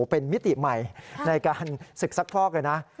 เป็นมิติใหม่ในการศึกซักฟอกเลยนะ